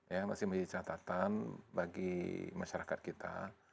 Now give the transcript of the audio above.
ya masih menjadi catatan bagi masyarakat kita